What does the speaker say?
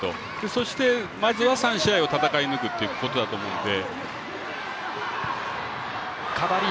そして、まずは３試合を戦い抜くということだと思うので。